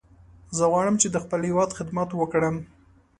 زه غواړم چې د خپل هیواد خدمت وکړم.